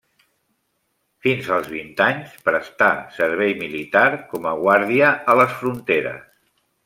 Fins als vint anys prestà servei militar com a guàrdia a les fronteres.